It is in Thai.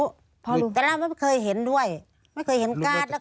แต่เราไม่เคยเห็นด้วย